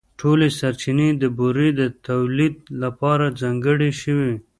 ټولې سرچینې د بورې د تولیدً لپاره ځانګړې شوې.